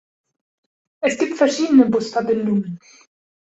Es gibt verschiedene Busverbindungen.